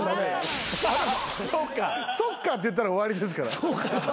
「そっか」って言ったら終わりですから。